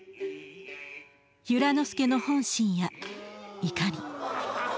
由良之助の本心やいかに。